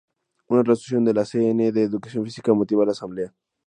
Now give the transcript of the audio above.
Una resolución de la C. N. de Educación Física, motiva la Asamblea.